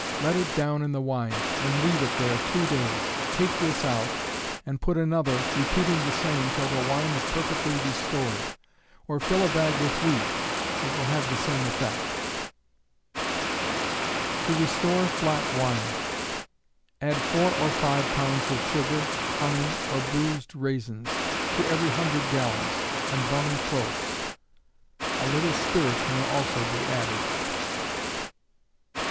Let it down in the wine, and leave it there two days; take this out, and put another, repeating the same till the wine is perfectly restored. Or fill a bag with wheat; it will have the same effect. To restore Flat Wine. Add four or five pounds of sugar, honey, or bruised raisins, to every hundred gallons, and bung close. A little spirits may also be added.